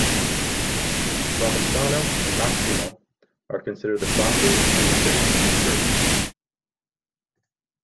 Fromestano and Maximo are considered the founders of the city and church.